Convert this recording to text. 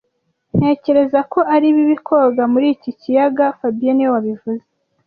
Ntekereza ko ari bibi koga muri iki kiyaga fabien niwe wabivuze